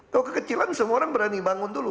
kalau kekecilan semua orang berani bangun dulu